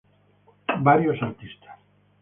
Varios artistas.